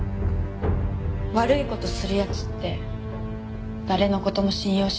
悪い事する奴って誰の事も信用しないでしょ。